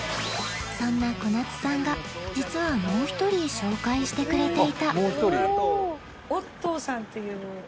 そんな小夏さんが実はもう１人紹介してくれていた